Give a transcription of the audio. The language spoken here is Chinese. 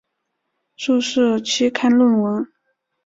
注释期刊论文